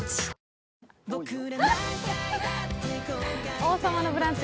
「王様のブランチ」